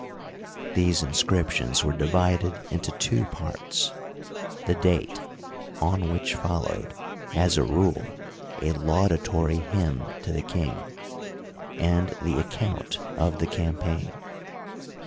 These inscriptions were divided into two parts — the date, on which followed, as a rule, a laudatory hymn to the king, and the account of the cam paign.